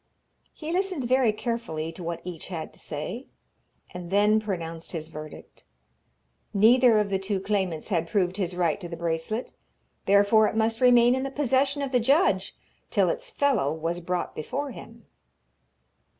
He listened very carefully to what each had to say, and then pronounced his verdict. Neither of the two claimants had proved his right to the bracelet, therefore it must remain in the possession of the judge till its fellow was brought before him.